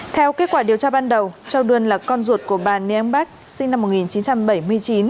theo kết quả điều tra ban đầu châu đươn là con ruột của bà niang bac sinh năm một nghìn chín trăm bảy mươi chín